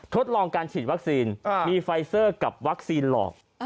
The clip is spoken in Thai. ทดลองการฉีดวัคซีนมีไฟเซอร์กับวัคซีนหลอก